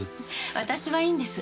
私はいいんです。